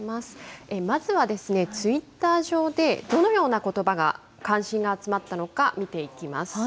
まずは、ツイッター上でどのようなことばが関心が集まったのか、見ていきます。